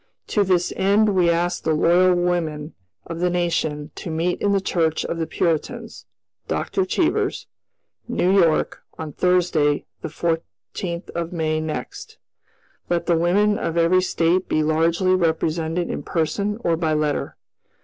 "To this end we ask the Loyal Women of the Nation to meet in the Church of the Puritans (Dr. Cheever's), New York, on Thursday, the 14th of May next. "Let the women of every State be largely represented in person or by letter.